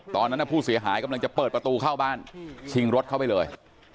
ตอนนั้นผู้เสียหายกำลังจะเปิดประตูเข้าบ้านชิงรถเข้าไปเลย